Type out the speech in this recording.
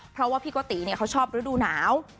เพราะว่าพี่โกติเขาชอบฤดูหนาว